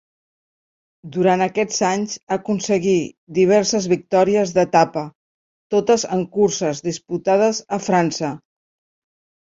Durant aquests anys aconseguí diverses victòries d'etapa, totes en curses disputades a França.